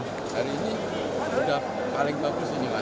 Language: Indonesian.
hari ini sudah paling bagus ini pak